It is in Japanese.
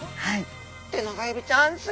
テナガエビちゃんす